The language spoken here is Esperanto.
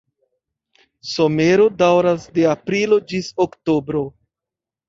Somero daŭras de aprilo ĝis oktobro.